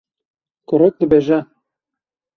Kurik dibêje: